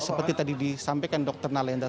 seperti tadi disampaikan dokter nalendra